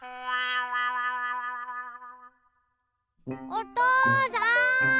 おとうさん！